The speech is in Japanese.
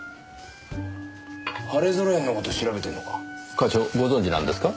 課長ご存じなんですか？